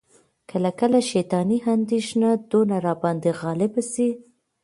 کله کله شیطاني اندیښنه دونه را باندي غالبه سي،